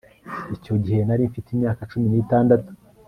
icyo gihe nari mfite imyaka cumi n'itandatu